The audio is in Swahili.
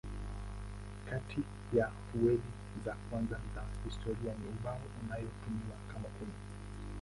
Kati ya fueli za kwanza za historia ni ubao inayotumiwa kama kuni.